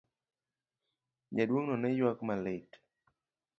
Jaduong'no ne oywak malit.